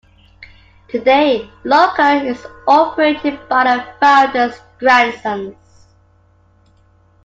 Today, Loacker is operated by the founders' grandsons.